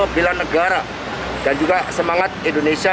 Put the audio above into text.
bela negara dan juga semangat indonesia